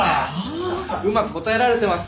うまく答えられてましたよ。